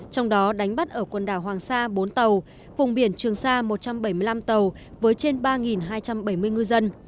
trong đó đánh bắt ở quần đảo hoàng sa bốn tàu vùng biển trường sa một trăm bảy mươi năm tàu với trên ba hai trăm bảy mươi ngư dân